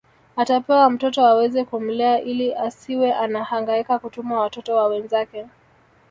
Atapewa mtoto aweze kumlea ili asiwe anahangaika kutuma watoto wa wenzake